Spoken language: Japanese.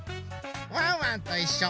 ワンワンといっしょ。